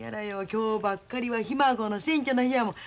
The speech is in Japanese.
今日ばっかりはひ孫の選挙の日やもん。